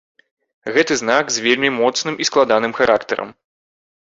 Гэты знак з вельмі моцным і складаным характарам.